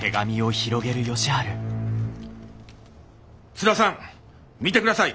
「津田さん見てください。